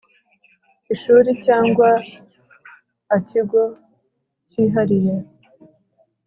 ishuri cyangwa ak ikigo cyihariye